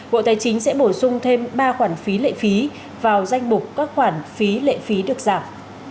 bộ tài chính sẽ bổ sung thêm ba khoản phí lệ phí vào danh mục các khoản phí lệ phí được giảm